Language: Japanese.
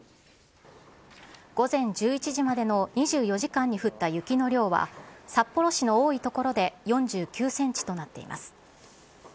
午前１１時までの２４時間に降った雪の量は、札幌市の多い所で４９センチとなっています。